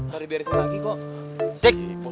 dari beresin lagi kok